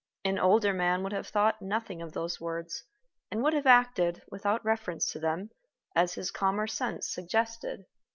An older man would have thought nothing of those words, and would have acted, without reference to them, as his calmer sense suggested.